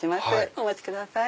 お待ちください。